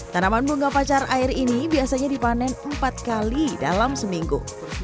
tanaman bunga pacar air ini biasanya dipanen empat kali dalam seminggu